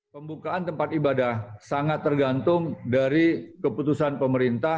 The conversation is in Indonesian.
pembukaan tempat ibadah sangat tergantung dari keputusan pemerintah